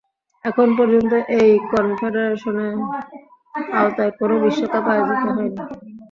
এখন পর্যন্ত এই কনফেডারেশনের আওতায় কোনো বিশ্বকাপ আয়োজিত হয়নি।